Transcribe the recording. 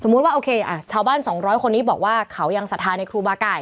สมมุติว่าโอเคอ่ะชาวบ้านสองร้อยคนนี้บอกว่าเขายังศรัทธาในครูบาไก่